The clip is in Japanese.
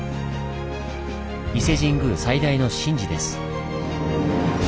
伊勢神宮最大の神事です。